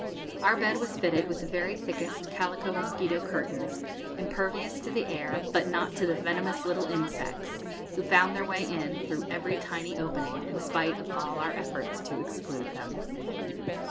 Our bed was fitted with the very thickest calico mosquito curtains, impervious to the air, but not to the venomous little insects, who found their way in through every tiny opening in spite of all our efforts to exclude them.